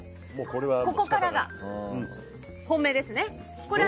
ここからが本命ですね。